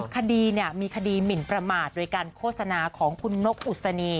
คดีมีคดีหมินประมาทโดยการโฆษณาของคุณนกอุศนี